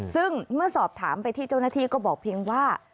ซึ่งเมื่อสอบถามไปที่เจ้าหน้าที่ก็บอกเพียงว่า